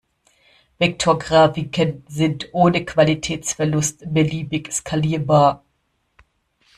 Vektorgrafiken sind ohne Qualitätsverlust beliebig skalierbar.